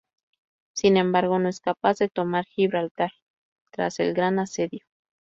Sin embargo, no es capaz de tomar Gibraltar tras el Gran Asedio.